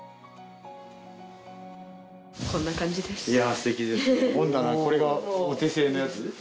こんな感じです。